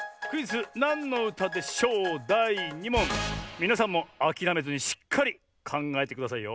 みなさんもあきらめずにしっかりかんがえてくださいよ。